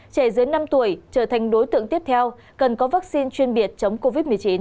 trẻ dưới năm tuổi trở thành đối tượng tiếp theo cần có vaccine chuyên biệt chống covid một mươi chín